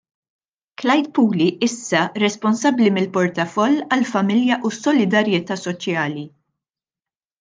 Clyde Puli issa responsabbli mill-portafoll għall-Familja u s-Solidarjetà Soċjali.